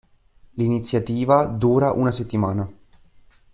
L'iniziativa dura una settimana.